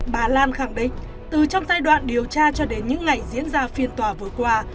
bà lan khẳng định từ trong giai đoạn điều tra cho đến những ngày diễn ra phiên tòa vừa qua